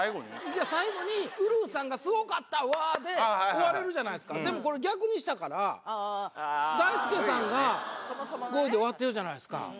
いや最後に「ウルフさんがスゴかったうわぁ」で終われるじゃないですかでもこれ逆にしたから大輔さんが５位で終わってるじゃないですか。